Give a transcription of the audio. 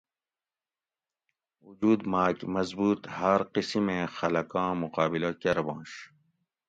اوجود ماۤک مضبوط ھاۤر قسیمیں خلکاں مقابلہ کربنش